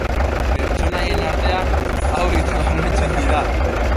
Pertsonaien artean, hauek nabarmentzen dira.